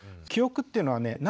記憶っていうのはね